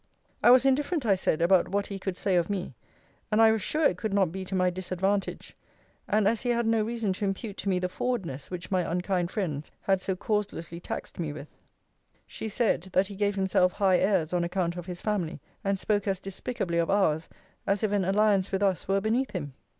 I was indifferent, I said, about what he could say of me; and I was sure it could not be to my disadvantage; and as he had no reason to impute to me the forwardness which my unkind friends had so causelessly taxed me with. She said, That he gave himself high airs on account of his family; and spoke as despicably of ours as if an alliance with us were beneath him.